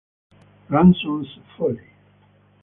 Ranson's Folly